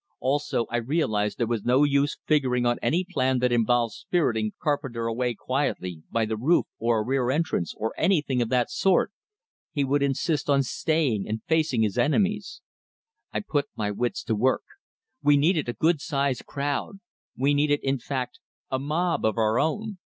Also, I realized there was no use figuring on any plan that involved spiriting Carpenter away quietly, by the roof, or a rear entrance, or anything of that sort. He would insist on staying and facing his enemies. I put my wits to work. We needed a good sized crowd; we needed, in fact, a mob of our own.